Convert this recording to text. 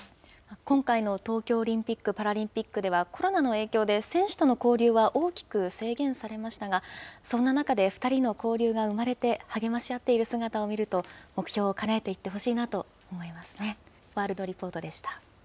今回の東京オリンピック・パラリンピックでは、コロナの影響で選手との交流は大きく制限されましたが、そんな中で２人の交流が生まれて励まし合っている姿を見ると、目標をかなえていってほしいなと思いますね。